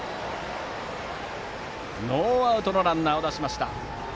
ノーアウトのランナーを出しました。